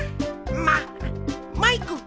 ママイク！